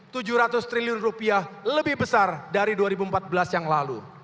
rp tujuh ratus triliun rupiah lebih besar dari dua ribu empat belas yang lalu